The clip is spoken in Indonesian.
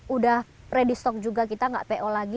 udah ready stock juga kita nggak po lagi